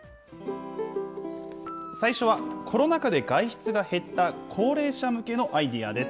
最初はコロナ禍で外出が減った高齢者向けのアイデアです。